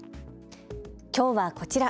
きょうは、こちら。